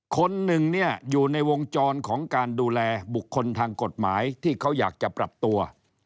คนหนึ่งเนี่ยอยู่ในวงจรของการดูแลบุคคลทางกฎหมายที่เขาอยากจะปรับตัว